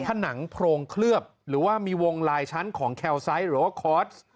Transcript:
ผนังโพรงเคลือบหรือว่ามีวงลายชั้นของแคลไซต์หรือว่าคอร์ส